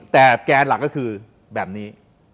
แต่แกนหลักก็คือแบบนี้